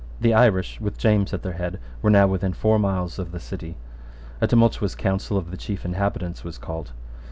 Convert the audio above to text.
The Irish, with James at their head, were now within four miles of the city. A tumultuous council of the chief inhabitants was called.